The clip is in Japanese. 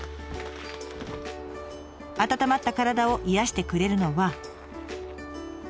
温まった体を癒やしてくれるのは。